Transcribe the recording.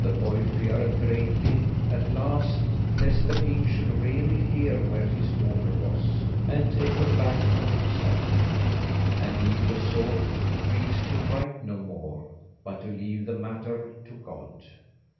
The boy feared greatly at last, lest the king should really hear where his daughter was, and take her back from himself, and he besought the priest to write no more, but to leave the matter to God.